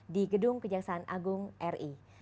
di gedung kejaksaan agung ri